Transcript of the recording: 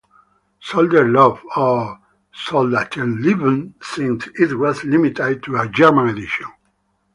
"Soldier Love", or "Soldatenliebe" since it was limited to a German edition.